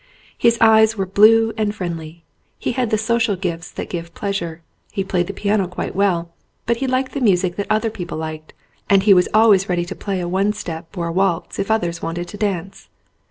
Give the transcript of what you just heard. His eyes were blue and friendly. He had the social gifts that give pleasure : he played the piano quite well, but he liked the music that other people liked, and he was always ready to play a one step or a waltz if others wanted to dance.